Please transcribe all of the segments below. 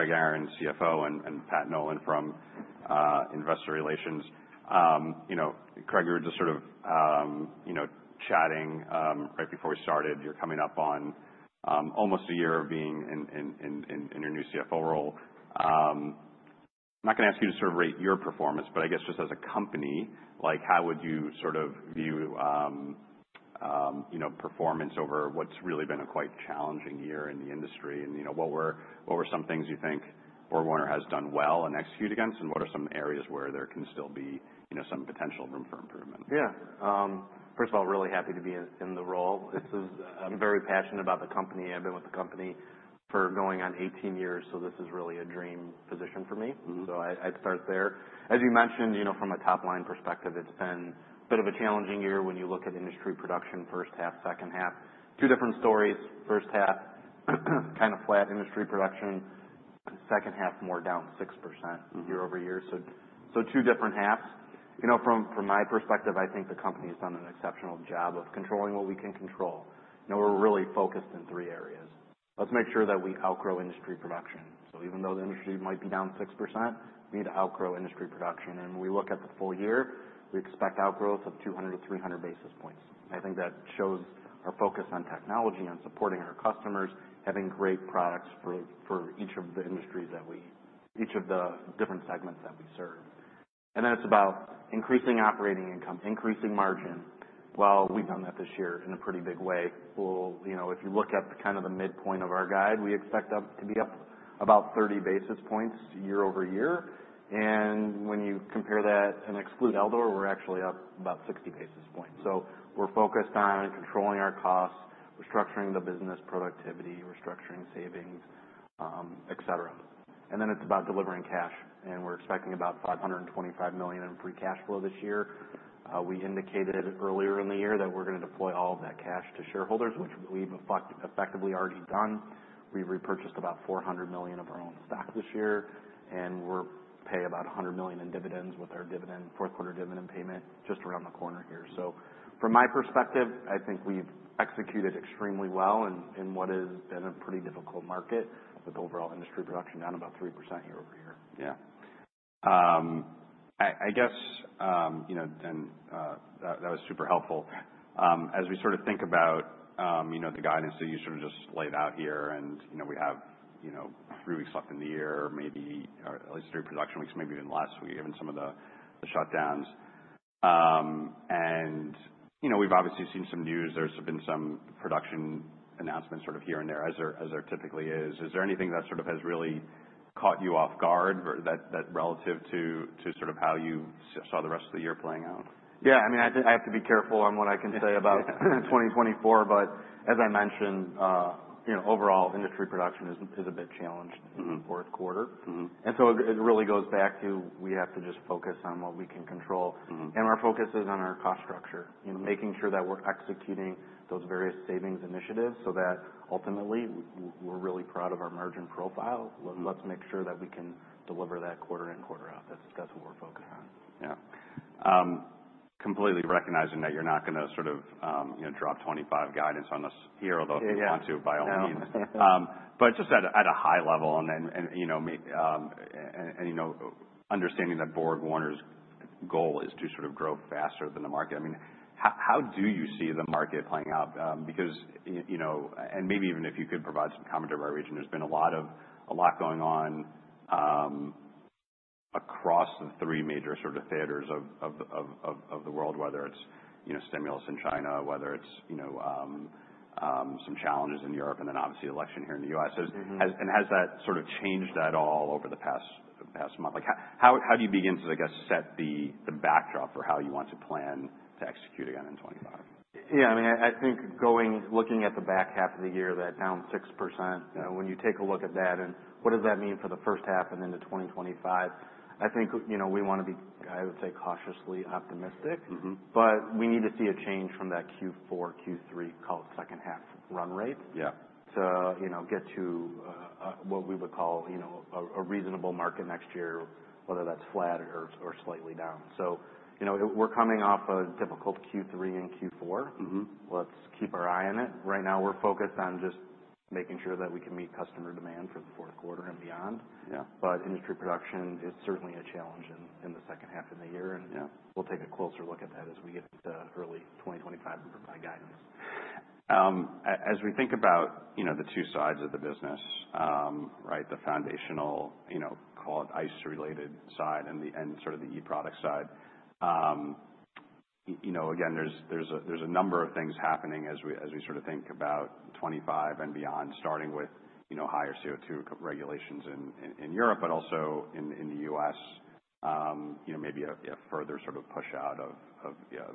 I'm Craig Aaron, CFO, and Pat Nolan from Investor Relations. You know, Craig, we were just sort of, you know, chatting right before we started. You're coming up on almost a year of being in your new CFO role. I'm not gonna ask you to sort of rate your performance, but I guess just as a company, like, how would you sort of view, you know, performance over what's really been a quite challenging year in the industry? And, you know, what were some things you think BorgWarner has done well and execute against? And what are some areas where there can still be, you know, some potential room for improvement? Yeah. First of all, really happy to be in the role. This is, I'm very passionate about the company. I've been with the company for going on 18 years, so this is really a dream position for me. Mm-hmm. So, I'd start there. As you mentioned, you know, from a top-line perspective, it's been a bit of a challenging year when you look at industry production, first half, second half. Two different stories. First half, kind a flat industry production. Second half, more down 6%. Mm-hmm. year-over-year, so two different halves. You know, from my perspective, I think the company's done an exceptional job of controlling what we can control. You know, we're really focused in three areas. Let's make sure that we outgrow industry production. So even though the industry might be down 6%, we need to outgrow industry production. And when we look at the full year, we expect outgrowth of 200 to 300 basis points. I think that shows our focus on technology, on supporting our customers, having great products for each of the industries, each of the different segments that we serve. And then it's about increasing operating income, increasing margin, well, we've done that this year in a pretty big way. Well, you know, if you look at kind of the midpoint of our guide, we expect that to be up about 30 basis points year-over-year. And when you compare that and exclude Eldor, we're actually up about 60 basis points. So we're focused on controlling our costs. We're structuring the business productivity. We're structuring savings, etc. And then it's about delivering cash. And we're expecting about $525 million in free cash flow this year. We indicated earlier in the year that we're gonna deploy all of that cash to shareholders, which we've effectively already done. We've repurchased about $400 million of our own stock this year. And we're paying about $100 million in dividends with our fourth-quarter dividend payment just around the corner here. From my perspective, I think we've executed extremely well in what has been a pretty difficult market with overall industry production down about 3% year-over-year. Yeah. I guess, you know, and that was super helpful as we sort of think about, you know, the guidance that you sort of just laid out here. You know, we have three weeks left in the year, maybe, or at least three production weeks, maybe even less, given some of the shutdowns. You know, we've obviously seen some news. There's been some production announcements sort of here and there, as there typically is. Is there anything that sort of has really caught you off guard or that relative to sort of how you saw the rest of the year playing out? Yeah. I mean, I think I have to be careful on what I can say about 2024. But as I mentioned, you know, overall industry production is a bit challenged in the fourth quarter. Mm-hmm. And so it really goes back to we have to just focus on what we can control. Mm-hmm. Our focus is on our cost structure, you know, making sure that we're executing those various savings initiatives so that ultimately we're really proud of our margin profile. Mm-hmm. Let's make sure that we can deliver that quarter in, quarter out. That's what we're focused on. Yeah, completely recognizing that you're not gonna sort of, you know, drop 25 guidance on us here, although. Yeah. If you want to by all means, but just at a high level, and then, you know, understanding that BorgWarner's goal is to sort of grow faster than the market. I mean, how do you see the market playing out? Because, you know, and maybe even if you could provide some commentary by region, there's been a lot going on, across the three major sort of theaters of the world, whether it's, you know, stimulus in China, whether it's, you know, some challenges in Europe, and then obviously election here in the US. Mm-hmm. Has that sort of changed at all over the past month? Like, how do you begin to, I guess, set the backdrop for how you want to plan to execute again in 2025? Yeah. I mean, I think, looking at the back half of the year, that down 6%. Yeah. You know, when you take a look at that and what does that mean for the first half and into 2025? I think, you know, we wanna be, I would say, cautiously optimistic. Mm-hmm. But we need to see a change from that Q4, Q3 call it second half run rate. Yeah. To, you know, get to what we would call, you know, a reasonable market next year, whether that's flat or slightly down. So, you know, we're coming off a difficult Q3 and Q4. Mm-hmm. Let's keep our eye on it. Right now, we're focused on just making sure that we can meet customer demand for the fourth quarter and beyond. Yeah. But industry production is certainly a challenge in the second half of the year. And. Yeah. We'll take a closer look at that as we get into early 2025 and provide guidance. As we think about, you know, the two sides of the business, right, the Foundational, you know, call it ICE-related side and sort of the e-product side, you know, again, there's a number of things happening as we sort of think about 2025 and beyond, starting with, you know, higher CO2 regulations in Europe, but also in the U.S., you know, maybe a further sort of push out of, you know,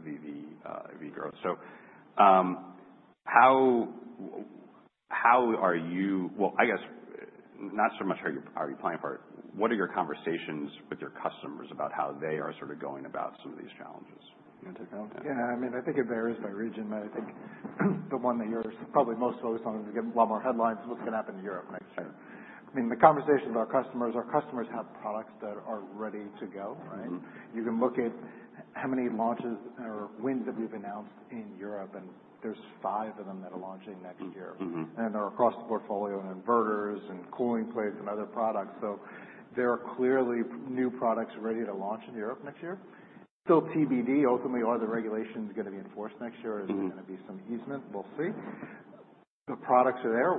EV growth. So, how are you, well, I guess, not so much how are you playing for it. What are your conversations with your customers about how they are sort of going about some of these challenges? You wanna take that one? Yeah. I mean, I think it varies by region, but I think the one that you're probably most focused on is getting a lot more headlines, what's gonna happen to Europe next year. I mean, the conversations with our customers, our customers have products that are ready to go, right? Mm-hmm. You can look at how many launches or wins that we've announced in Europe, and there's five of them that are launching next year. Mm-hmm. They're across the portfolio and inverters and cooling plates and other products. There are clearly new products ready to launch in Europe next year. Still TBD, ultimately, are the regulations gonna be enforced next year? Mm-hmm. Is there gonna be some easement? We'll see. The products are there.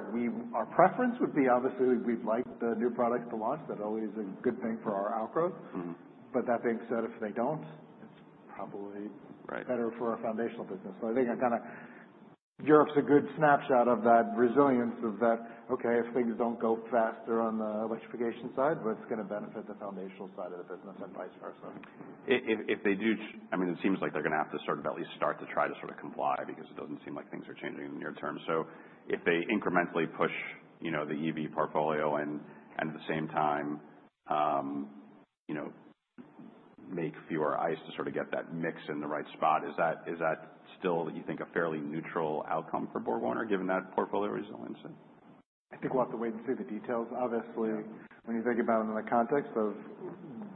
Our preference would be obviously we'd like the new products to launch. That always is a good thing for our outgrowth. Mm-hmm. But that being said, if they don't, it's probably. Right. Better for our foundational business. So I think I kinda Europe's a good snapshot of that resilience, okay, if things don't go faster on the electrification side, what's gonna benefit the foundational side of the business and vice versa? If they do change, I mean, it seems like they're gonna have to sort of at least start to try to sort of comply because it doesn't seem like things are changing in the near term. So if they incrementally push, you know, the EV portfolio and at the same time, you know, make fewer ICE to sort of get that mix in the right spot, is that still, you think, a fairly neutral outcome for BorgWarner given that portfolio resiliency? I think we'll have to wait and see the details. Obviously, when you think about it in the context of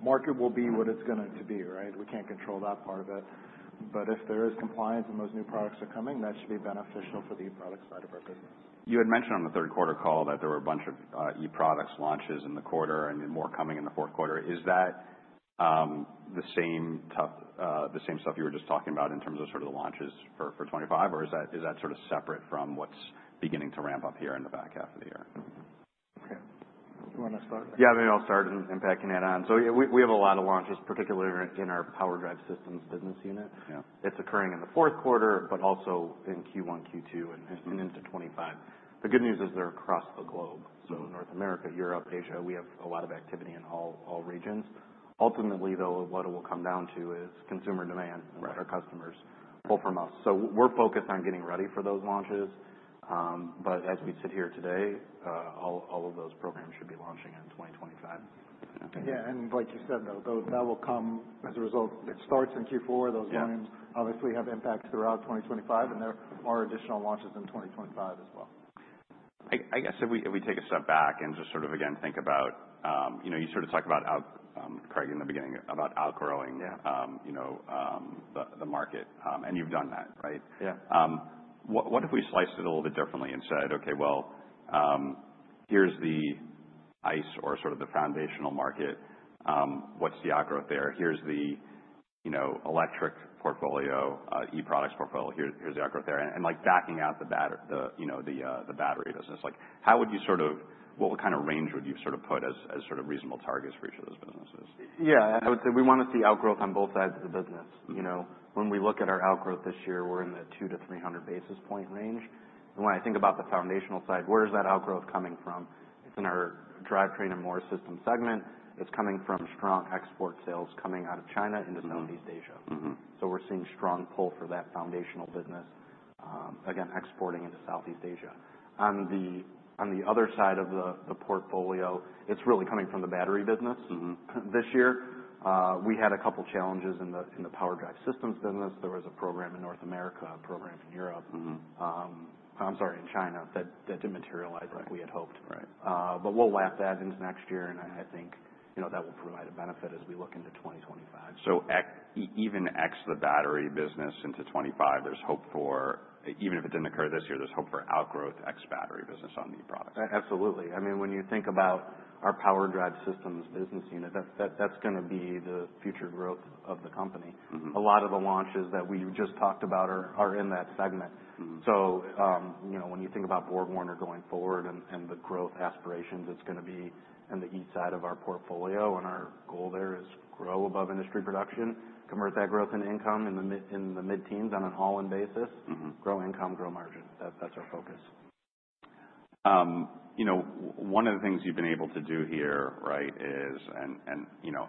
market will be what it's gonna to be, right? We can't control that part of it. But if there is compliance and those new products are coming, that should be beneficial for the e-product side of our business. You had mentioned on the third quarter call that there were a bunch of eProducts launches in the quarter and more coming in the fourth quarter. Is that the same stuff you were just talking about in terms of sort of the launches for 2025, or is that sort of separate from what's beginning to ramp up here in the back half of the year? Okay. Do you wanna start? Yeah. Maybe I'll start and unpacking that one. So yeah, we have a lot of launches, particularly in our PowerDrive Systems business unit. Yeah. It's occurring in the fourth quarter, but also in Q1, Q2, and into 2025. The good news is they're across the globe, so North America, Europe, Asia, we have a lot of activity in all regions. Ultimately, though, what it will come down to is consumer demand. Right. What our customers pull from us. We're focused on getting ready for those launches, but as we sit here today, all of those programs should be launching in 2025. Yeah, and like you said, though, that will come as a result. It starts in Q4. Those volumes. Yeah. Obviously have impacts throughout 2025, and there are additional launches in 2025 as well. I guess if we take a step back and just sort of, again, think about, you know, you sort of talked about out, Craig, in the beginning about outgrowing. Yeah. You know, the market, and you've done that, right? Yeah. What if we sliced it a little bit differently and said, okay, well, here's the ICE or sort of the Foundational market. What's the outgrowth there? Here's the, you know, electric portfolio, e-products portfolio. Here's the outgrowth there. And, like, backing out the battery, you know, the battery business. Like, how would you sort of, what kind of range would you sort of put as sort of reasonable targets for each of those businesses? Yeah. I would say we wanna see outgrowth on both sides of the business. You know, when we look at our outgrowth this year, we're in the 2-300 basis point range. And when I think about the Foundational side, where is that outgrowth coming from? It's in our Drivetrain and Morse Systems segment. It's coming from strong export sales coming out of China into Southeast Asia. Mm-hmm. So we're seeing strong pull for that Foundational business, again, exporting into Southeast Asia. On the other side of the portfolio, it's really coming from the battery business. Mm-hmm. This year, we had a couple challenges in the Power Drive Systems business. There was a program in North America, a program in Europe. Mm-hmm. I'm sorry, in China that didn't materialize like we had hoped. Right. But we'll wrap that into next year, and I think, you know, that will provide a benefit as we look into 2025. So even if the battery business into 2025, there's hope for even if it didn't occur this year. There's hope for outgrowth in the battery business on the E-products. Absolutely. I mean, when you think about our PowerDrive Systems business unit, that's gonna be the future growth of the company. Mm-hmm. A lot of the launches that we just talked about are in that segment. Mm-hmm. You know, when you think about BorgWarner going forward and the growth aspirations, it's gonna be in the E side of our portfolio. Our goal there is grow above industry production, convert that growth in income in the mid-teens on an all-in basis. Mm-hmm. Grow income, grow margin. That's our focus. You know, one of the things you've been able to do here, right, is, you know,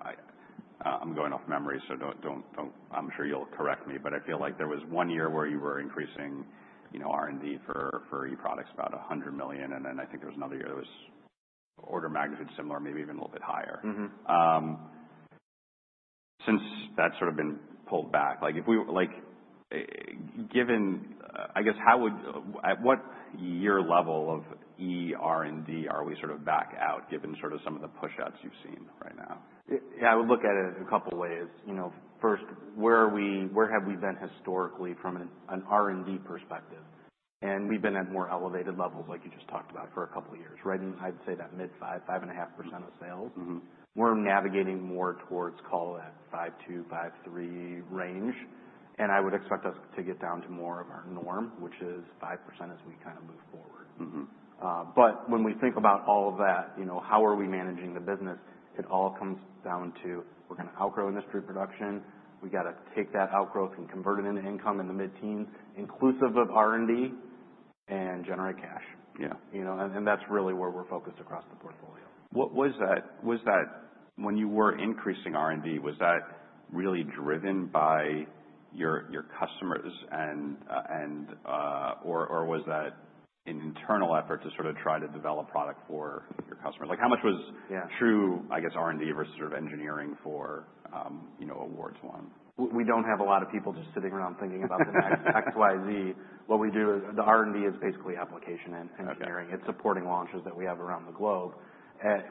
I'm going off memory, so don't. I'm sure you'll correct me, but I feel like there was one year where you were increasing, you know, R&D for E-products about $100 million. And then I think there was another year that was order magnitude similar, maybe even a little bit higher. Mm-hmm. Since that's sort of been pulled back, like, if we like, given, I guess, how would at what year level of R&D are we sort of back out given sort of some of the push-outs you've seen right now? Yeah. I would look at it a couple ways. You know, first, where have we been historically from an R&D perspective? And we've been at more elevated levels, like you just talked about, for a couple years, right? And I'd say that mid-5%, 5.5% of sales. Mm-hmm. We're navigating more towards call that 5.2-5.3 range. And I would expect us to get down to more of our norm, which is 5% as we kinda move forward. Mm-hmm. But when we think about all of that, you know, how are we managing the business? It all comes down to we're gonna outgrow industry production. We gotta take that outgrowth and convert it into income in the mid-teens%, inclusive of R&D, and generate cash. Yeah. You know, and that's really where we're focused across the portfolio. What was that when you were increasing R&D, was that really driven by your customers and, or was that an internal effort to sort of try to develop product for your customers? Like, how much was. Yeah. True, I guess, R&D versus sort of engineering for, you know, awards one? We don't have a lot of people just sitting around thinking about the next XYZ. What we do is the R&D is basically application and engineering. Okay. It's supporting launches that we have around the globe.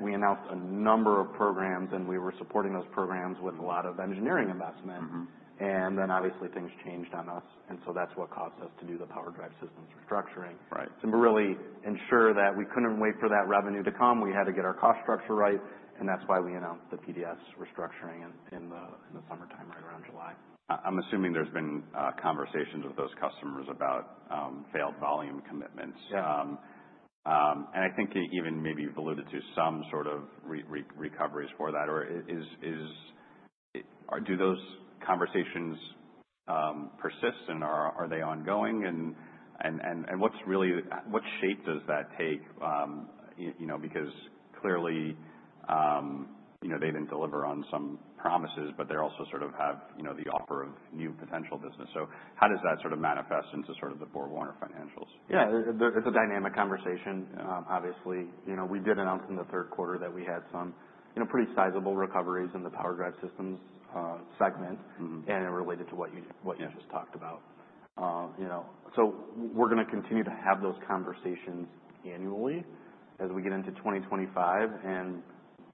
We announced a number of programs, and we were supporting those programs with a lot of engineering investment. Mm-hmm. And then obviously things changed on us. And so that's what caused us to do the PowerDrive Systems restructuring. Right. We really ensure that we couldn't wait for that revenue to come. We had to get our cost structure right. That's why we announced the PDS restructuring in the summertime, right around July. I'm assuming there's been conversations with those customers about failed volume commitments. Yeah. and I think you even maybe you've alluded to some sort of recoveries for that. Or are those conversations persisting and are they ongoing? And what shape does that take, you know, because clearly, you know, they didn't deliver on some promises, but they also sort of have, you know, the offer of new potential business. So how does that sort of manifest into sort of the BorgWarner financials? Yeah. It's a dynamic conversation. Obviously, you know, we did announce in the third quarter that we had some, you know, pretty sizable recoveries in the PowerDrive Systems segment. Mm-hmm. It related to what you just talked about. You know, so we're gonna continue to have those conversations annually as we get into 2025 and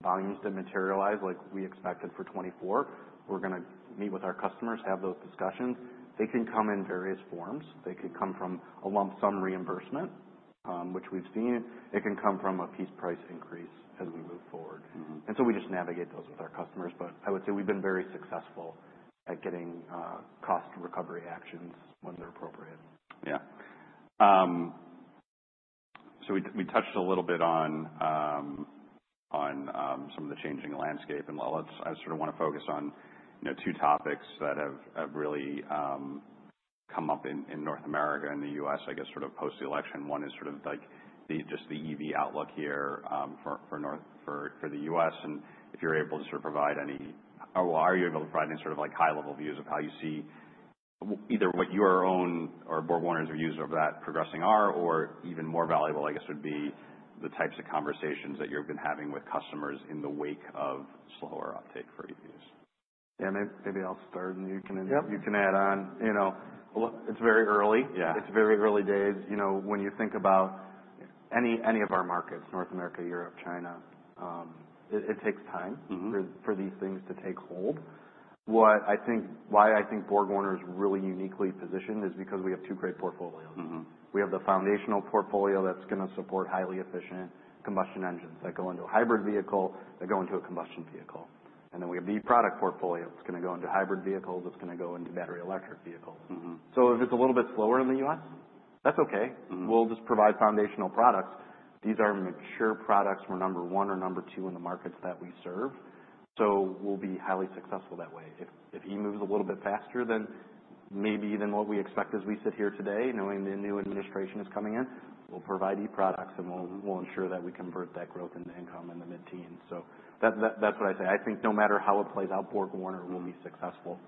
volumes to materialize like we expected for 2024. We're gonna meet with our customers, have those discussions. They can come in various forms. They could come from a lump sum reimbursement, which we've seen. It can come from a piece price increase as we move forward. Mm-hmm. We just navigate those with our customers. But I would say we've been very successful at getting cost recovery actions when they're appropriate. Yeah. So we touched a little bit on some of the changing landscape. And while let's I sort of wanna focus on, you know, two topics that have really come up in North America and the U.S., I guess, sort of post-election. One is sort of like just the EV outlook here, for North America for the U.S. And if you're able to sort of provide any sort of like high-level views of how you see either what your own or BorgWarner's views of that progressing are, or even more valuable, I guess, would be the types of conversations that you've been having with customers in the wake of slower uptake for EVs? Yeah. Maybe I'll start and you can. Yep. You can add on. You know, well, it's very early. Yeah. It's very early days. You know, when you think about any of our markets, North America, Europe, China, it takes time. Mm-hmm. For these things to take hold. What I think why BorgWarner is really uniquely positioned is because we have two great portfolios. Mm-hmm. We have the Foundational portfolio that's gonna support highly efficient combustion engines that go into a hybrid vehicle, that go into a combustion vehicle. And then we have the product portfolio that's gonna go into hybrid vehicles. It's gonna go into battery electric vehicles. Mm-hmm. So if it's a little bit slower in the U.S., that's okay. Mm-hmm. We'll just provide Foundational products. These are mature products. We're number one or number two in the markets that we serve. So we'll be highly successful that way. If E moves a little bit faster, then maybe what we expect as we sit here today, knowing the new administration is coming in, we'll provide E products and we'll ensure that we convert that growth into income in the mid-teens. So that's what I say. I think no matter how it plays out, BorgWarner will be successful.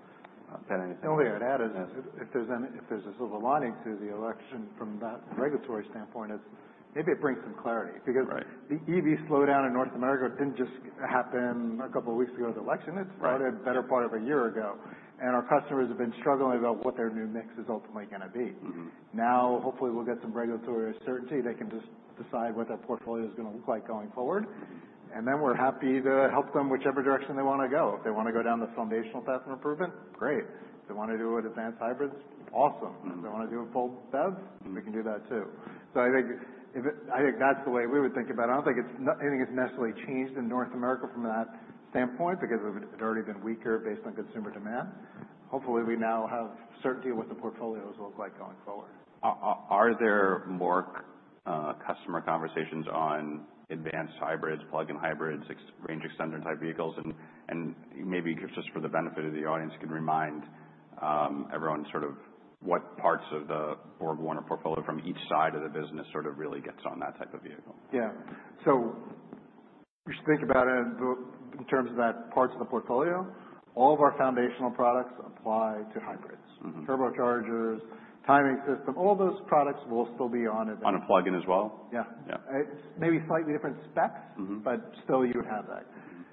Pat, anything else? The only thing I'd add is if there's any silver lining to the election from that regulatory standpoint, it's maybe it brings some clarity because. Right. The EV slowdown in North America didn't just happen a couple weeks ago with the election. It started. Right. A better part of a year ago, and our customers have been struggling about what their new mix is ultimately gonna be. Mm-hmm. Now, hopefully, we'll get some regulatory certainty. They can just decide what their portfolio is gonna look like going forward. And then we're happy to help them whichever direction they wanna go. If they wanna go down the Foundational path of improvement, great. If they wanna do it advanced hybrids, awesome. Mm-hmm. If they wanna do a full dev, we can do that too. So I think that's the way we would think about it. I don't think it's nothing has necessarily changed in North America from that standpoint because it already been weaker based on consumer demand. Hopefully, we now have certainty of what the portfolio is look like going forward. Are there more customer conversations on advanced hybrids, plug-in hybrids, EV range extender-type vehicles? And maybe just for the benefit of the audience, you can remind everyone sort of what parts of the BorgWarner portfolio from each side of the business sort of really gets on that type of vehicle? Yeah. So you should think about it in terms of that parts of the portfolio. All of our Foundational products apply to hybrids. Mm-hmm. Turbochargers, timing system. All those products will still be on advanced. On a plug-in as well? Yeah. Yeah. It's maybe slightly different specs. Mm-hmm. But still, you would have that. Mm-hmm.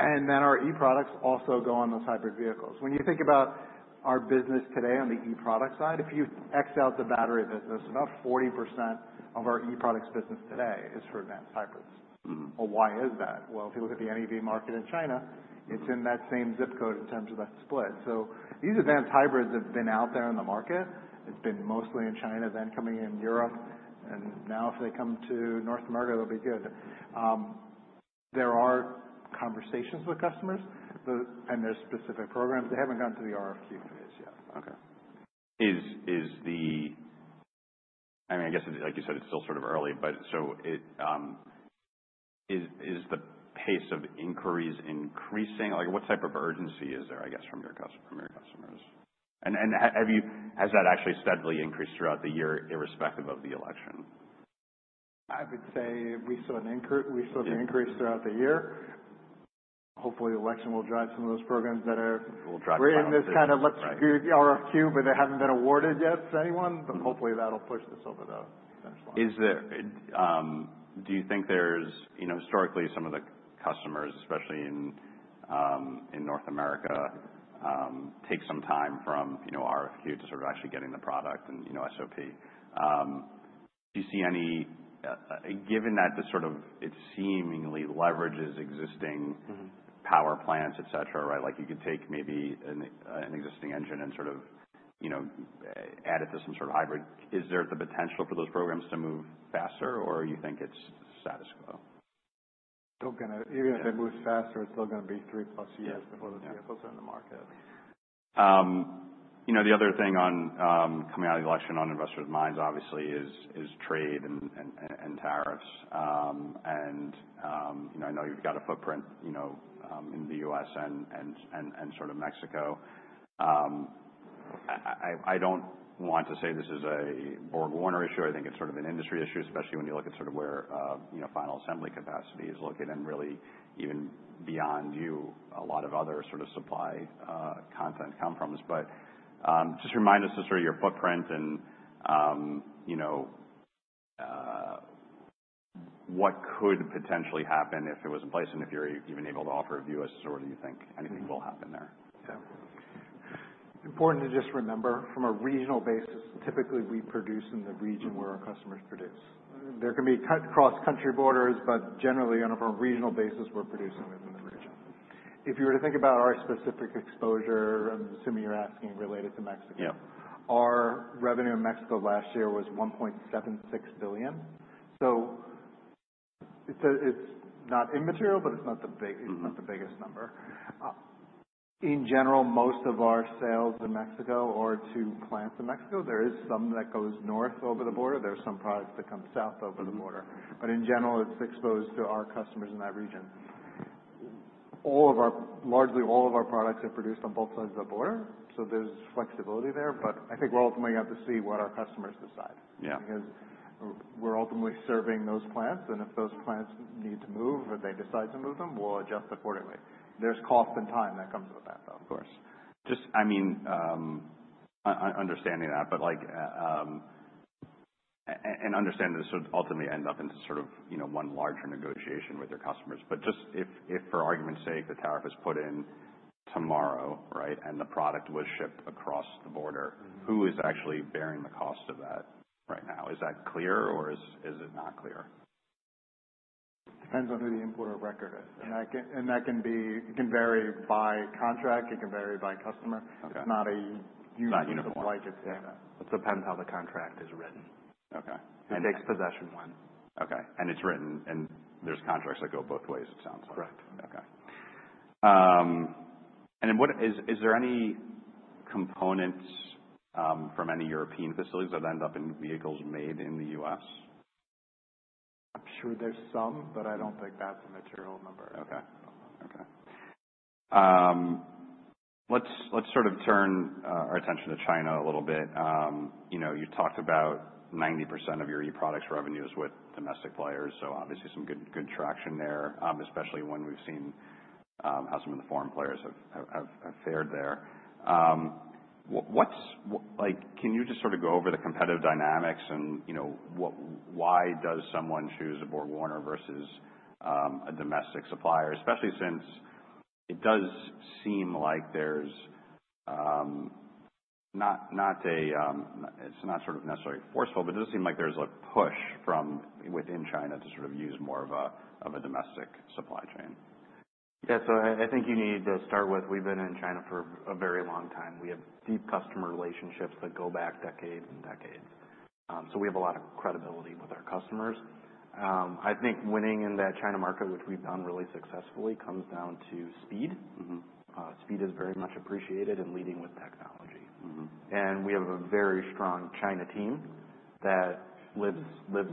And then our eProducts also go on those hybrid vehicles. When you think about our business today on the eProducts side, if you X out the battery business, about 40% of our eProducts business today is for advanced hybrids. Mm-hmm. Well, why is that? If you look at the NEV market in China, it's in that same zip code in terms of that split, so these advanced hybrids have been out there in the market. It's been mostly in China, then coming in Europe, and now if they come to North America, it'll be good. There are conversations with customers, then and there's specific programs. They haven't gone to the RFQ phase yet. Okay. I mean, I guess, like you said, it's still sort of early, but so it is the pace of inquiries increasing? Like, what type of urgency is there, I guess, from your customers? And has that actually steadily increased throughout the year, irrespective of the election? I would say we saw an increase throughout the year. Hopefully, the election will drive some of those programs that are. Will drive some of those. We're in this kind of let's do the RFQ, but they haven't been awarded yet to anyone, but hopefully, that'll push this over the finish line. Is there, do you think there's, you know, historically, some of the customers, especially in North America, take some time from, you know, RFQ to sort of actually getting the product and, you know, SOP? Do you see any given that this sort of it seemingly leverages existing. Mm-hmm. Power plants, etc., right? Like, you could take maybe an existing engine and sort of, you know, add it to some sort of hybrid. Is there the potential for those programs to move faster, or you think it's status quo? Still gonna even if it moves faster, it's still gonna be three-plus years before the vehicles are in the market. You know, the other thing on, coming out of the election on investors' minds, obviously, is trade and tariffs. And, you know, I know you've got a footprint, you know, in the U.S. and sort of Mexico. I don't want to say this is a BorgWarner issue. I think it's sort of an industry issue, especially when you look at sort of where, you know, final assembly capacity is located and really even beyond you, a lot of other sort of supply, content come from. But, just remind us of sort of your footprint and, you know, what could potentially happen if it was in place and if you're even able to offer a view as to where do you think anything will happen there? Yeah. Important to just remember, from a regional basis, typically, we produce in the region where our customers produce. There can be cross-country borders, but generally, on a regional basis, we're producing within the region. If you were to think about our specific exposure, I'm assuming you're asking related to Mexico. Yeah. Our revenue in Mexico last year was $1.76 billion. So it's not immaterial, but it's not the biggest number. In general, most of our sales in Mexico are to plants in Mexico. There is some that goes north over the border. There are some products that come south over the border. But in general, it's exposed to our customers in that region. Largely all of our products are produced on both sides of the border. So there's flexibility there. But I think we're ultimately gonna have to see what our customers decide. Yeah. Because we're ultimately serving those plants, and if those plants need to move or they decide to move them, we'll adjust accordingly. There's cost and time that comes with that, though. Of course. Just I mean, understanding that, but like, and understand that this would ultimately end up into sort of, you know, one larger negotiation with your customers. But just if for argument's sake, the tariff is put in tomorrow, right, and the product was shipped across the border. Mm-hmm. Who is actually bearing the cost of that right now? Is that clear, or is it not clear? Depends on who the importer record is. Okay. And that can be. It can vary by contract. It can vary by customer. Okay. It's not a uniform. Not uniform. Like it's data. It depends how the contract is written. Okay. It takes possession when? Okay. And it's written, and there's contracts that go both ways, it sounds like. Correct. Okay, and what is there any components from any European facilities that end up in vehicles made in the U.S.? I'm sure there's some, but I don't think that's a material number. Okay, let's sort of turn our attention to China a little bit. You know, you've talked about 90% of your E products' revenues with domestic players. So obviously, some good traction there, especially when we've seen how some of the foreign players have fared there. What's, like, can you just sort of go over the competitive dynamics and, you know, what, why does someone choose a BorgWarner versus a domestic supplier, especially since it does seem like there's not a, it's not sort of necessarily forceful, but it does seem like there's a push from within China to sort of use more of a domestic supply chain? Yeah. So I think you need to start with we've been in China for a very long time. We have deep customer relationships that go back decades and decades. So we have a lot of credibility with our customers. I think winning in that China market, which we've done really successfully, comes down to speed. Mm-hmm. Speed is very much appreciated in leading with technology. Mm-hmm. We have a very strong China team that lives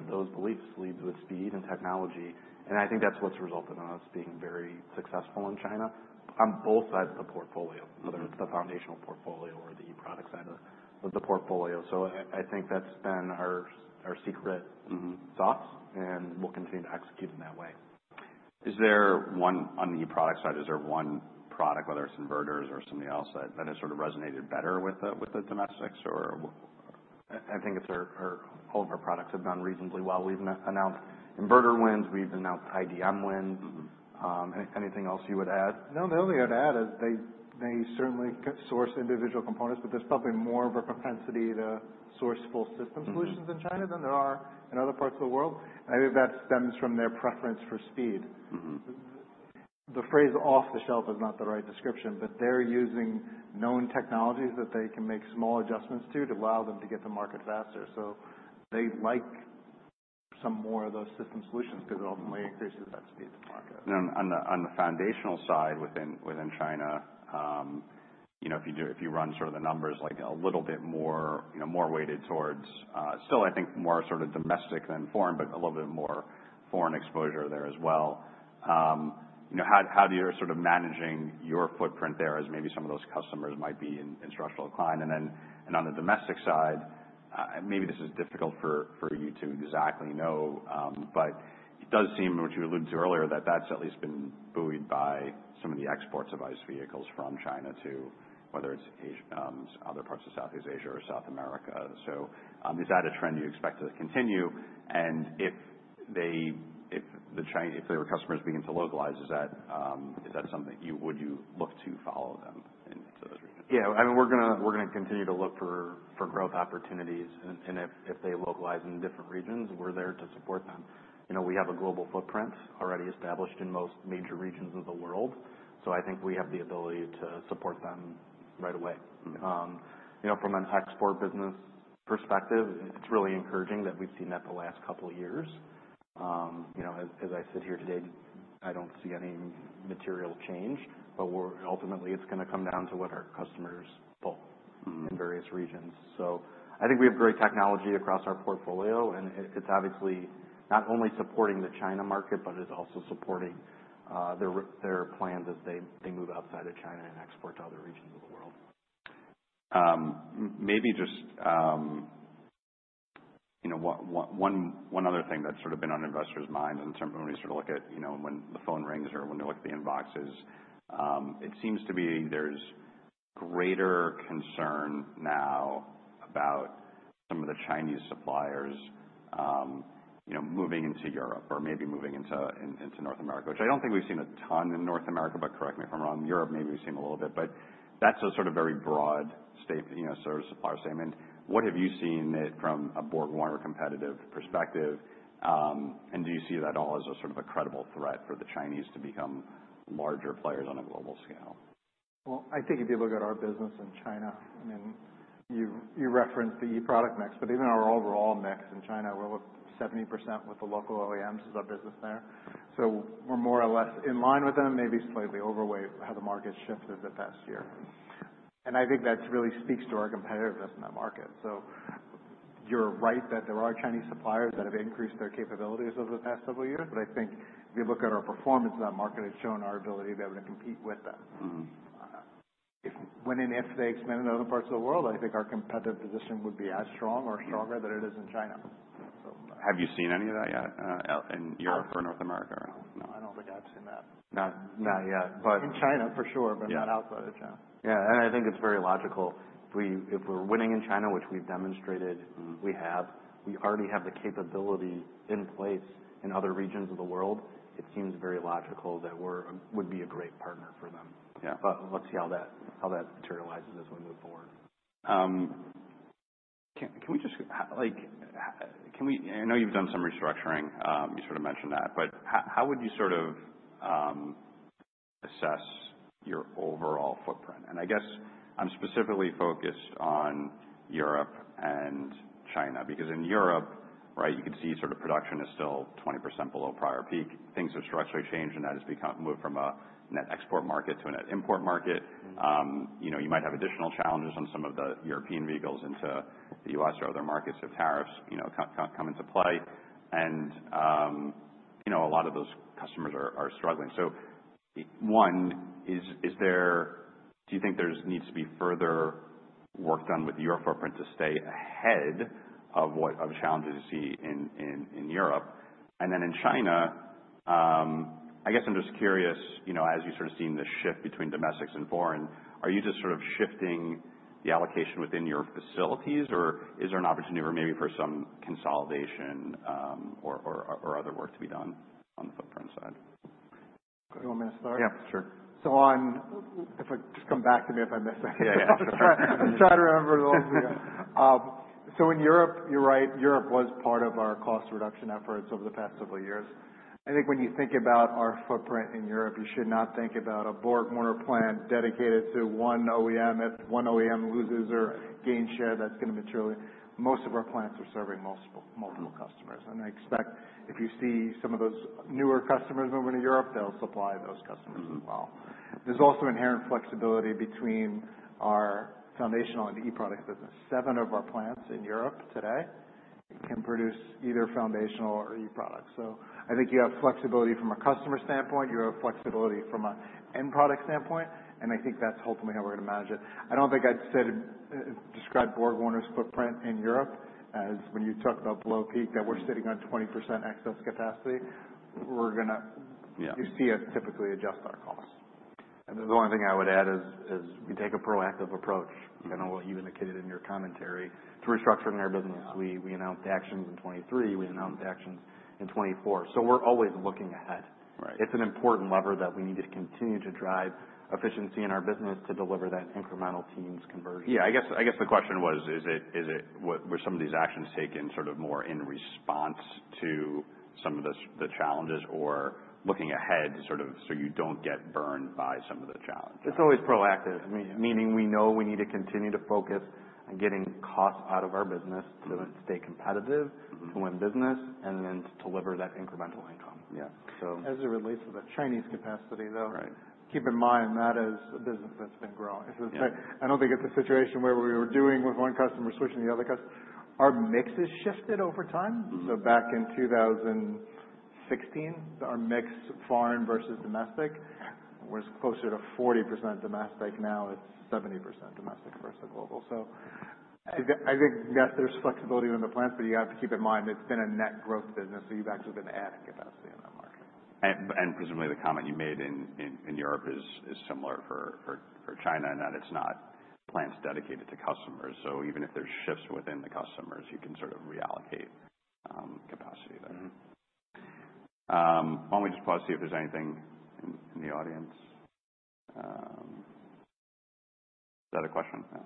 those beliefs, leads with speed and technology. I think that's what's resulted in us being very successful in China on both sides of the portfolio, whether it's the Foundational portfolio or the E product side of the portfolio. I think that's been our secret. Mm-hmm. Thanks, and we'll continue to execute in that way. Is there one on the eProducts side? Is there one product, whether it's inverters or something else, that has sort of resonated better with the domestics or w? I think all of our products have done reasonably well. We've announced inverter wins. We've announced IDM wins. Mm-hmm. Anything else you would add? No, the only thing I'd add is they certainly could source individual components, but there's probably more of a propensity to source full system solutions in China than there are in other parts of the world. And I think that stems from their preference for speed. Mm-hmm. The phrase off-the-shelf is not the right description, but they're using known technologies that they can make small adjustments to to allow them to get to market faster, so they like some more of those system solutions because it ultimately increases that speed to market. And on the Foundational side within China, you know, if you run sort of the numbers like a little bit more, you know, more weighted towards, still, I think, more sort of domestic than foreign, but a little bit more foreign exposure there as well. You know, how do you sort of managing your footprint there as maybe some of those customers might be in structural decline? And then on the domestic side, maybe this is difficult for you to exactly know, but it does seem, what you alluded to earlier, that that's at least been buoyed by some of the exports of ICE vehicles from China to whether it's Asia, other parts of Southeast Asia or South America. So, is that a trend you expect to continue? If their customers begin to localize, is that something you would look to follow them into those regions? Yeah. I mean, we're gonna continue to look for growth opportunities, and if they localize in different regions, we're there to support them. You know, we have a global footprint already established in most major regions of the world. So I think we have the ability to support them right away. Mm-hmm. You know, from an export business perspective, it's really encouraging that we've seen that the last couple of years. You know, as I sit here today, I don't see any material change, but we're ultimately, it's gonna come down to what our customers pull. Mm-hmm. In various regions. So I think we have great technology across our portfolio, and it's obviously not only supporting the China market, but it's also supporting their plans as they move outside of China and export to other regions of the world. Maybe just, you know, one other thing that's sort of been on investors' minds and certainly when we sort of look at, you know, when the phone rings or when they look at the inboxes, it seems to be there's greater concern now about some of the Chinese suppliers, you know, moving into Europe or maybe moving into North America, which I don't think we've seen a ton in North America, but correct me if I'm wrong. Europe, maybe we've seen a little bit, but that's a sort of very broad statement, you know, sort of supplier statement. What have you seen from a BorgWarner competitive perspective? And do you see that all as a sort of a credible threat for the Chinese to become larger players on a global scale? I think if you look at our business in China, I mean, you referenced the eProducts mix, but even our overall mix in China, we're with 70% with the local OEMs as our business there. We're more or less in line with them, maybe slightly overweight how the market shifted the past year. I think that really speaks to our competitiveness in that market. You're right that there are Chinese suppliers that have increased their capabilities over the past several years, but I think if you look at our performance, that market has shown our ability to be able to compete with them. Mm-hmm. If and when they expand into other parts of the world, I think our competitive position would be as strong or stronger than it is in China. Have you seen any of that yet, in Europe or North America or else? No. No. I don't think I've seen that. Not yet, but. In China, for sure, but not outside of China. Yeah, and I think it's very logical. If we're winning in China, which we've demonstrated. Mm-hmm. We have. We already have the capability in place in other regions of the world. It seems very logical that we would be a great partner for them. Yeah. Let's see how that materializes as we move forward. Can we just, like, I know you've done some restructuring. You sort of mentioned that, but how would you sort of assess your overall footprint? I guess I'm specifically focused on Europe and China because in Europe, right, you can see sort of production is still 20% below prior peak. Things have structurally changed, and that has become moved from a net export market to a net import market. Mm-hmm. You know, you might have additional challenges on some of the European vehicles into the U.S. or other markets if tariffs, you know, come into play. And, you know, a lot of those customers are struggling. So one, is there do you think there's needs to be further work done with your footprint to stay ahead of what challenges you see in Europe? And then in China, I guess I'm just curious, you know, as you sort of seen the shift between domestics and foreign, are you just sort of shifting the allocation within your facilities, or is there an opportunity for maybe for some consolidation, or other work to be done on the footprint side? You want me to start? Yeah. Sure. So, if I just come back to me if I missed it. Yeah. Yeah. Try to remember those. So in Europe, you're right. Europe was part of our cost reduction efforts over the past several years. I think when you think about our footprint in Europe, you should not think about a BorgWarner plant dedicated to one OEM. If one OEM loses or gains share, that's gonna materially most of our plants are serving multiple customers. And I expect if you see some of those newer customers moving to Europe, they'll supply those customers as well. There's also inherent flexibility between our Foundational and eProducts business. Seven of our plants in Europe today can produce either Foundational or eProducts. So I think you have flexibility from a customer standpoint. You have flexibility from an end product standpoint. And I think that's ultimately how we're gonna manage it. I don't think I'd said describe BorgWarner's footprint in Europe as, when you talk about below peak, that we're sitting on 20% excess capacity. We're gonna. Yeah. You see us typically adjust our costs. The only thing I would add is we take a proactive approach. Mm-hmm. Kind of what you indicated in your commentary. Yeah. To restructuring our business. Yeah. We announced actions in 2023. We announced actions in 2024, so we're always looking ahead. Right. It's an important lever that we need to continue to drive efficiency in our business to deliver that incremental teens conversion. Yeah. I guess the question was, is it were some of these actions taken sort of more in response to some of the challenges or looking ahead sort of so you don't get burned by some of the challenges? It's always proactive, meaning we know we need to continue to focus on getting costs out of our business. Mm-hmm. To stay competitive. Mm-hmm. To win business and then to deliver that incremental income. Yeah. So. As it relates to the Chinese capacity, though. Right. Keep in mind that is a business that's been growing. Right. I don't think it's a situation where we were doing with one customer switching to the other customer. Our mix has shifted over time. Mm-hmm. So back in 2016, our mix foreign versus domestic was closer to 40% domestic. Now it's 70% domestic versus global. So I think yes, there's flexibility within the plants, but you have to keep in mind it's been a net growth business, so you've actually been adding capacity in that market. And presumably the comment you made in Europe is similar for China in that it's not plants dedicated to customers. So even if there's shifts within the customers, you can sort of reallocate capacity there. Mm-hmm. Why don't we just pause to see if there's anything in the audience? Is that a question? No?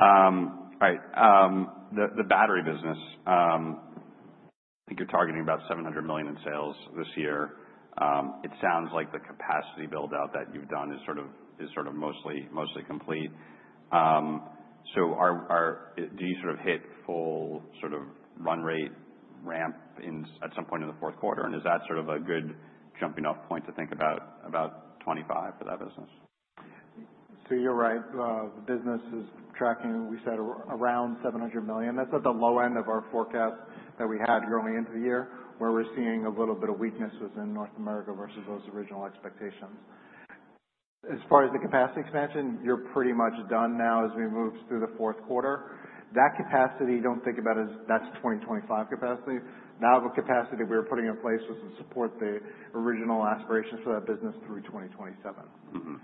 All right. The battery business, I think you're targeting about $700 million in sales this year. It sounds like the capacity build-out that you've done is sort of mostly complete. So do you sort of hit full sort of run rate ramp in at some point in the fourth quarter? And is that sort of a good jumping-off point to think about 2025 for that business? So you're right. The business is tracking, we said around $700 million. That's at the low end of our forecast that we had going into the year where we're seeing a little bit of weakness within North America versus those original expectations. As far as the capacity expansion, you're pretty much done now as we move through the fourth quarter. That capacity, don't think about it as that's 2025 capacity. Now the capacity we're putting in place was to support the original aspirations for that business through 2027. Mm-hmm.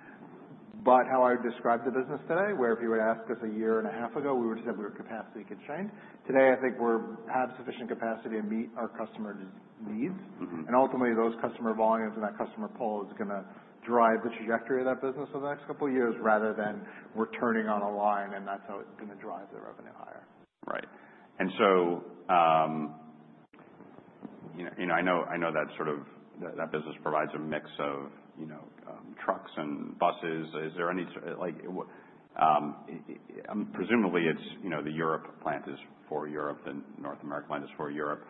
But how I would describe the business today, where if you would ask us a year and a half ago, we would have said we were capacity-constrained. Today, I think we have sufficient capacity to meet our customer needs. Mm-hmm. Ultimately, those customer volumes and that customer pull is gonna drive the trajectory of that business over the next couple of years rather than we're turning on a line, and that's how it's gonna drive the revenue higher. Right. And so, you know, I know that sort of business provides a mix of, you know, trucks and buses. Is there any, like, presumably it's, you know, the Europe plant is for Europe, the North America plant is for Europe.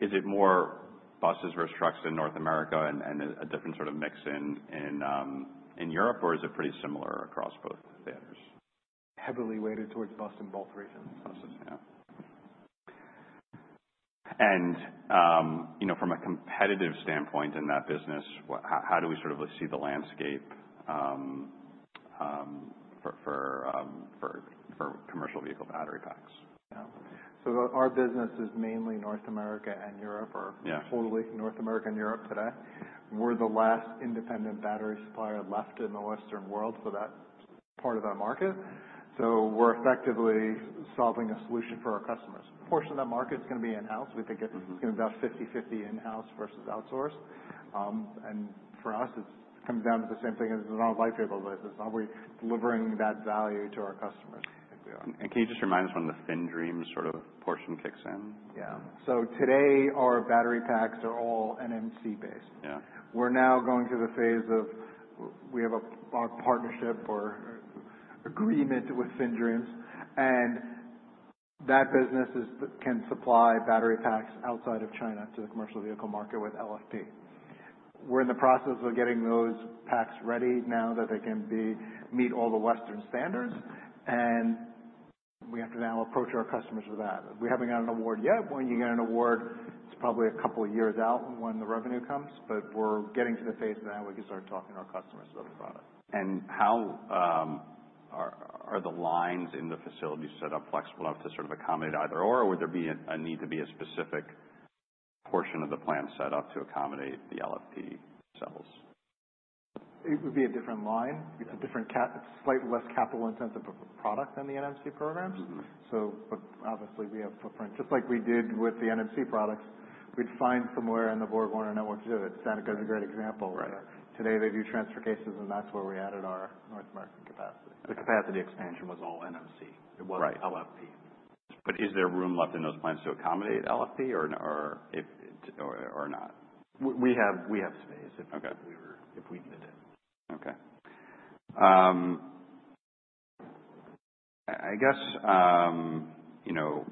Is it more buses versus trucks in North America and a different sort of mix in Europe, or is it pretty similar across both theaters? Heavily weighted towards bus in both regions. Buses. Yeah. And, you know, from a competitive standpoint in that business, how do we sort of see the landscape, for commercial vehicle battery packs? Yeah. So our business is mainly North America and Europe or. Yeah. Total North America and Europe today. We're the last independent battery supplier left in the Western world for that part of that market. So we're effectively solving a solution for our customers. Portion of that market's gonna be in-house. We think it's. Mm-hmm. It's gonna be about 50/50 in-house versus outsourced. And for us, it's coming down to the same thing as in our light vehicle business. Are we delivering that value to our customers? Can you just remind us when the FinDreams sort of portion kicks in? Yeah. So today, our battery packs are all NMC-based. Yeah. We're now going through the phase of we have our partnership or agreement with FinDreams, and that business can supply battery packs outside of China to the commercial vehicle market with LFP. We're in the process of getting those packs ready now so that they can meet all the Western standards, and we have to now approach our customers with that. We haven't got an award yet. When you get an award, it's probably a couple of years out when the revenue comes, but we're getting to the phase now where we can start talking to our customers about the product. How are the lines in the facility set up flexible enough to sort of accommodate either/or, or would there be a need to be a specific portion of the plant set up to accommodate the LFP cells? It would be a different line. It's a different cap, it's slightly less capital-intensive of a product than the NMC programs. Mm-hmm. But obviously, we have footprint. Just like we did with the NMC products, we'd find somewhere in the BorgWarner Network too. Right. Seneca is a great example. Right. Today, they do transfer cases, and that's where we added our North American capacity. The capacity expansion was all NMC. Right. It wasn't LFP. But is there room left in those plants to accommodate LFP or if not? We have space if. Okay. We were if we needed it. Okay. I guess, you know,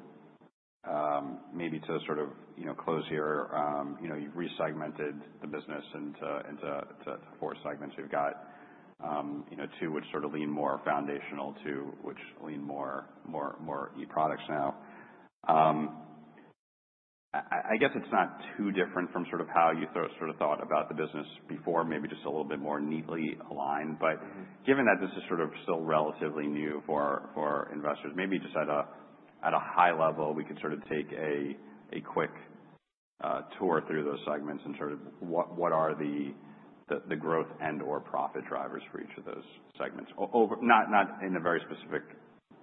maybe to sort of, you know, close here, you know, you've resegmented the business into four segments. You've got, you know, two which sort of lean more Foundational, two which lean more E products now. I guess it's not too different from sort of how you thought about the business before, maybe just a little bit more neatly aligned. But. Mm-hmm. Given that this is sort of still relatively new for investors, maybe just at a high level, we could sort of take a quick tour through those segments and sort of what are the growth and/or profit drivers for each of those segments over, not in a very specific,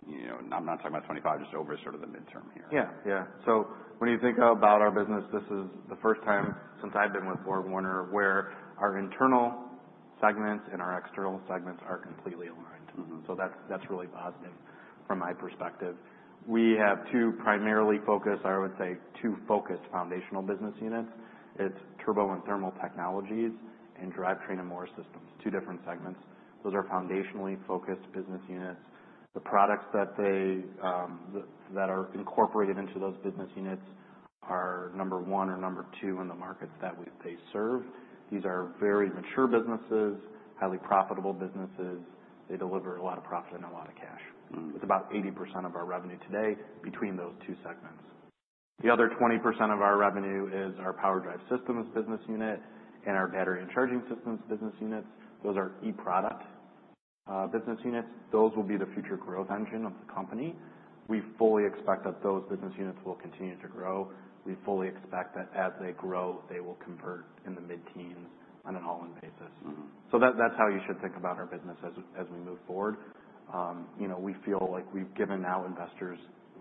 you know, I'm not talking about 2025, just over sort of the midterm here. Yeah. Yeah. So when you think about our business, this is the first time since I've been with BorgWarner where our internal segments and our external segments are completely aligned. Mm-hmm. That's really positive from my perspective. We have two primarily focused, or I would say two focused Foundational business units. It's Turbo and Thermal Technologies and Drivetrain and Morse Systems, two different segments. Those are Foundationally focused business units. The products that are incorporated into those business units are number one or number two in the markets that they serve. These are very mature businesses, highly profitable businesses. They deliver a lot of profit and a lot of cash. Mm-hmm. It's about 80% of our revenue today between those two segments. The other 20% of our revenue is our PowerDrive Systems business unit and our Battery & Charging Systems business units. Those are eProducts business units. Those will be the future growth engine of the company. We fully expect that those business units will continue to grow. We fully expect that as they grow, they will convert in the mid-teens on an all-in basis. Mm-hmm. So that's how you should think about our business as we move forward. You know, we feel like we've given now investors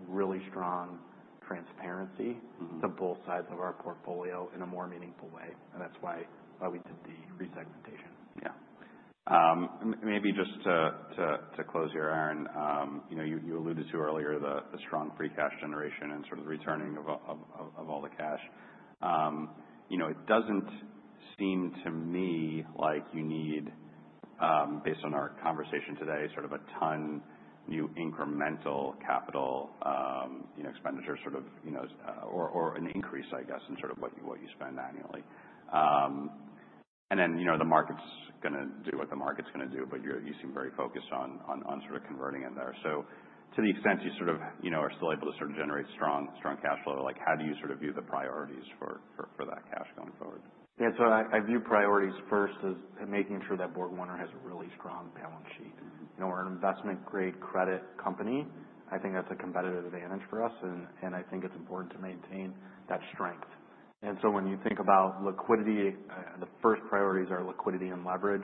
really strong transparency. Mm-hmm. To both sides of our portfolio in a more meaningful way. And that's why we did the resegmentation. Yeah. Maybe just to close here, Aaron, you know, you alluded to earlier the strong free cash generation and sort of returning of all the cash. You know, it doesn't seem to me like you need, based on our conversation today, sort of a ton new incremental capital, you know, expenditure sort of, you know, or an increase, I guess, in sort of what you spend annually. Then, you know, the market's gonna do what the market's gonna do, but you seem very focused on sort of converting in there. So to the extent you sort of, you know, are still able to sort of generate strong cash flow, like, how do you sort of view the priorities for that cash going forward? Yeah, so I view priorities first as making sure that BorgWarner has a really strong balance sheet. Mm-hmm. You know, we're an investment-grade credit company. I think that's a competitive advantage for us, and I think it's important to maintain that strength. So when you think about liquidity, the first priorities are liquidity and leverage.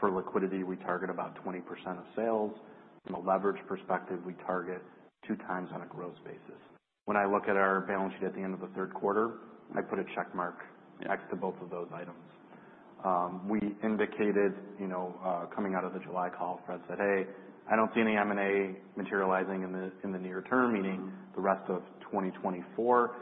For liquidity, we target about 20% of sales. From a leverage perspective, we target two times on a growth basis. When I look at our balance sheet at the end of the third quarter, I put a check mark next to both of those items. We indicated, you know, coming out of the July call, Fred said, "Hey, I don't see any M&A materializing in the near term," meaning the rest of 2024.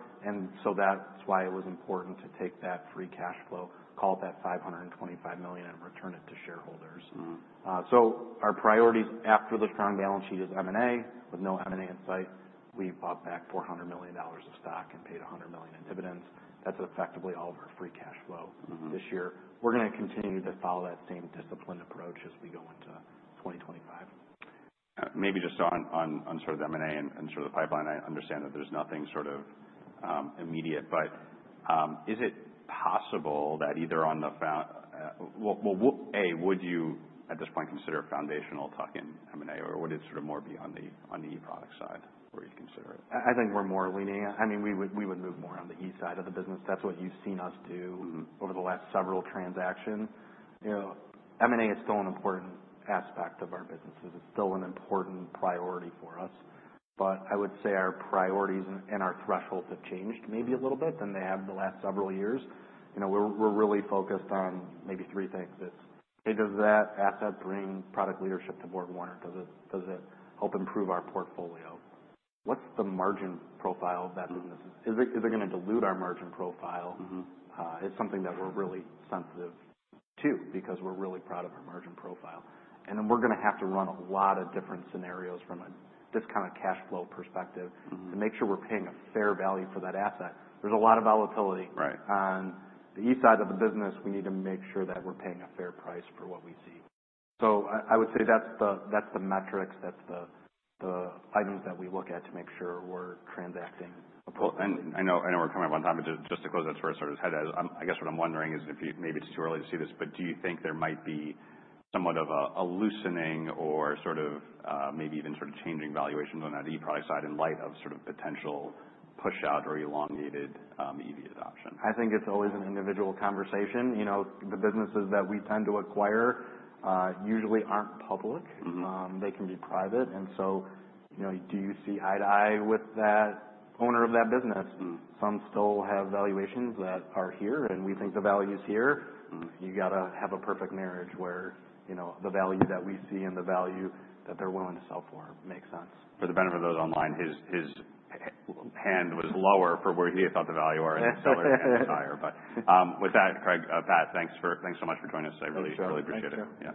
So that's why it was important to take that free cash flow, call it that $525 million, and return it to shareholders. Mm-hmm. So our priorities after the strong balance sheet is M&A. With no M&A in sight, we bought back $400 million of stock and paid $100 million in dividends. That's effectively all of our free cash flow. Mm-hmm. This year, we're gonna continue to follow that same disciplined approach as we go into 2025. Maybe just on sort of M&A and sort of the pipeline, I understand that there's nothing sort of immediate, but is it possible that either on the Foundational, would you at this point consider a Foundational tuck-in M&A, or would it sort of more be on the eProducts side where you'd consider it? I think we're more leaning. I mean, we would move more on the E side of the business. That's what you've seen us do. Mm-hmm. Over the last several transactions. You know, M&A is still an important aspect of our businesses. It's still an important priority for us. But I would say our priorities and our thresholds have changed maybe a little bit than they have the last several years. You know, we're really focused on maybe three things. It's, "Hey, does that asset bring product leadership to BorgWarner? Does it help improve our portfolio? What's the margin profile of that business? Is it gonna dilute our margin profile? Mm-hmm. It's something that we're really sensitive to because we're really proud of our margin profile. And then we're gonna have to run a lot of different scenarios from a discounted cash flow perspective. Mm-hmm. To make sure we're paying a fair value for that asset. There's a lot of volatility. Right. On the E side of the business, we need to make sure that we're paying a fair price for what we see. So I would say that's the metrics. That's the items that we look at to make sure we're transacting. I know we're coming up on time, but just to close that thread, I guess what I'm wondering is if you maybe it's too early to see this, but do you think there might be somewhat of a loosening or sort of, maybe even sort of changing valuations on that E product side in light of sort of potential push-out or elongated EV adoption? I think it's always an individual conversation. You know, the businesses that we tend to acquire, usually aren't public. Mm-hmm. They can be private. And so, you know, do you see eye to eye with that owner of that business? Mm-hmm. Some still have valuations that are here, and we think the value's here. Mm-hmm. You gotta have a perfect marriage where, you know, the value that we see and the value that they're willing to sell for makes sense. For the benefit of those online, his hand was lower for where he had thought the value was. Yeah. And his seller's hand was higher. But, with that, Craig and Pat, thanks so much for joining us. I really. Thank you. Really appreciate it.